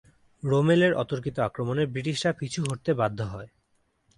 রোমেলের অতর্কিত আক্রমণে ব্রিটিশরা পিছু হটতে বাধ্য হয়।